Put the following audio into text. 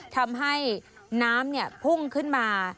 ทำให้น้ำพุ่งขึ้นมา